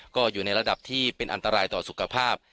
ก็อยู่ในระดับที่เป็นอันตรายต่อสุขภาพ